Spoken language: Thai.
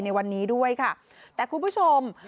ในวันนี้ด้วยค่ะแต่คุณผู้ชม